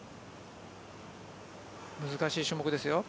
難しい種目ですよ。